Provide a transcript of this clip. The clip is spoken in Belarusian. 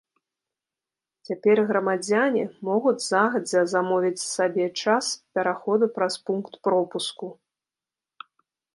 Цяпер грамадзяне могуць загадзя замовіць сабе час пераходу праз пункт пропуску.